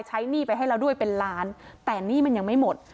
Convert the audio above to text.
หนี้ไปให้เราด้วยเป็นล้านแต่หนี้มันยังไม่หมด